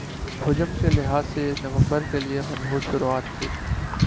حجم کے لحاظ سے یہ نومبر کے لیے منحوس شروعات تھِی